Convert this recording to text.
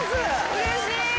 うれしい。